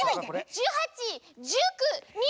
１８１９２０！